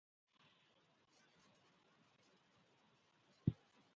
Huu si wakati wa kukata tamaa